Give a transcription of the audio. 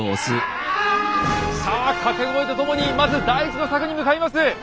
さあ掛け声とともにまず第１の柵に向かいます。